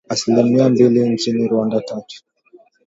asilimia mbilinchini Rwanda tatu